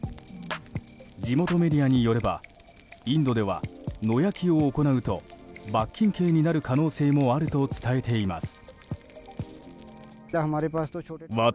地元メディアによればインドでは野焼きを行うと罰金刑になる可能性もあると伝えています。